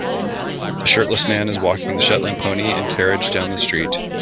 The shirtless man is walking the Shetland pony and carriage down the street.